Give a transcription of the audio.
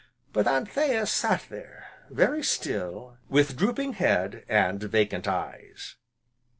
But Anthea sat there, very still, with drooping head, and vacant eyes.